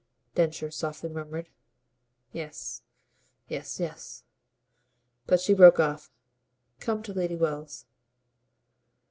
Densher softly murmured. "Yes, yes, yes." But she broke off. "Come to Lady Wells."